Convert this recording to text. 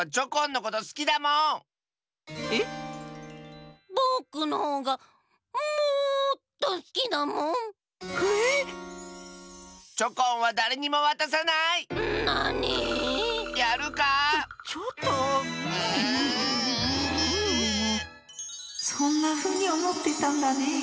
こころのこえそんなふうにおもってたんだね。